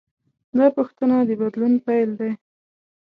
دا پوښتنه د بدلون پیل دی.